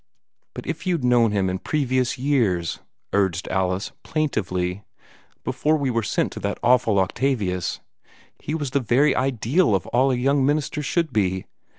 "But if you'd known him in previous years," urged Alice, plaintively, "before we were sent to that awful Octavius. He was the very ideal of all a young minister should be.